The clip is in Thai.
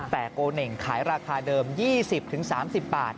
แต่โกเน่งขายราคาเดิม๒๐๓๐บาท